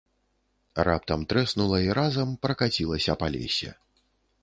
Раптам трэснула і разам пракацілася па лесе.